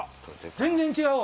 全然違うわ！